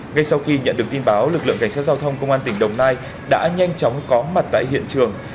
ngay sau khi nhận được tin báo lực lượng cảnh sát giao thông công an tỉnh đồng nai đã nhanh chóng có mặt tại hiện trường